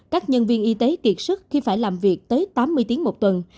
các nhân viên y tế kiệt sức khi phải làm việc tới tám mươi tiếng một tuần